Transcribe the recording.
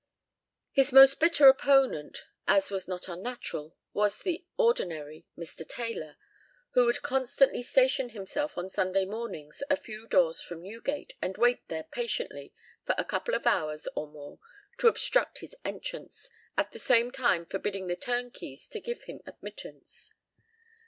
His most bitter opponent, as was not unnatural, was the ordinary, Mr. Taylor, who would constantly station himself on Sunday mornings a few doors from Newgate, and wait there patiently for a couple of hours or more to obstruct his entrance, at the same time forbidding the turnkeys to give him admittance.